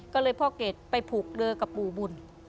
ก็เลยพ่อเกรดไปผูกเรือกับปู่บุญ